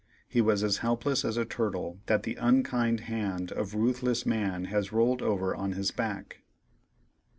He was as helpless as a turtle that the unkind hand of ruthless man has rolled over on his back.